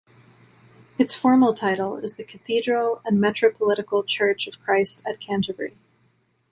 Its formal title is the Cathedral and Metropolitical Church of Christ at Canterbury.